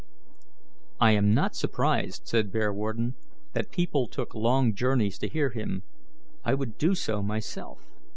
"I am not surprised," said Bearwarden, "that people took long journeys to hear him. I would do so myself."